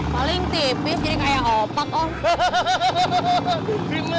paling tipis jadi kayak opak om